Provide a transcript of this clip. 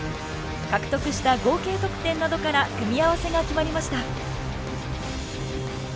獲得した合計得点などから組み合わせが決まりました。